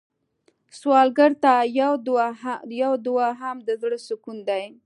سوالګر ته یو دعا هم د زړه سکون دی